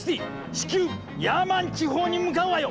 至急ヤーマン地方に向かうわよ！